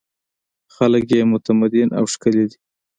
خلک یې متمدن او ښکلي دي.